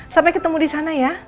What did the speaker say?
sampai ketemu di sana ya